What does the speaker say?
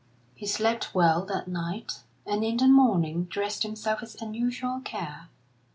He slept well that night, and in the morning dressed himself with unusual care.